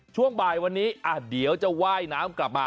ช่วงบ่ายวันนี้เดี๋ยวจะว่ายน้ำกลับมา